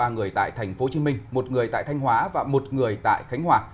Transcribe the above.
ba người tại tp hcm một người tại thanh hóa và một người tại khánh hòa